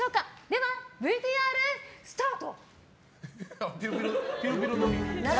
では、ＶＴＲスタート！